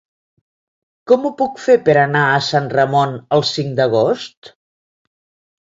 Com ho puc fer per anar a Sant Ramon el cinc d'agost?